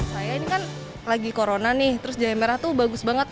saya ini kan lagi corona nih terus jaya merah tuh bagus banget